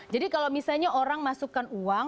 jadi kalau misalnya orang masukkan uang